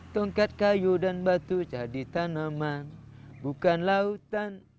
tuan bang dari band